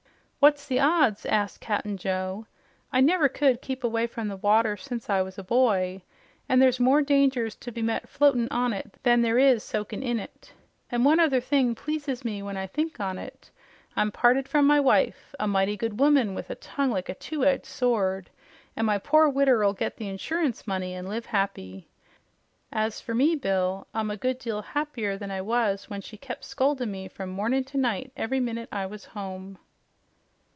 "What's the odds?" asked Cap'n Joe. "I never could keep away from the water since I was a boy, an' there's more dangers to be met floatin' on it than there is soakin' in it. An' one other thing pleases me when I think on it: I'm parted from my wife, a mighty good woman with a tongue like a two edge sword, an' my pore widder'll get the insurance money an' live happy. As fer me, Bill, I'm a good deal happier than I was when she kep' scoldin' me from mornin' to night every minute I was home."